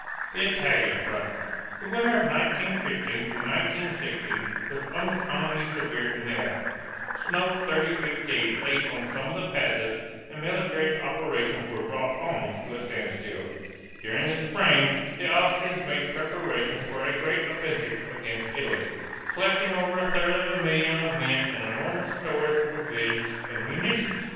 THE ITALIAN FRONT. The winter of 1915 1916 was uncommonly severe in the Alps; snow thirty feet deep lay on some of the passes, and military operations were brought almost to a standstill. During the spring the Austrians made preparations for a great offensive against Italy, collecting over a third of a million of men and enormous stores of provisions and munitions.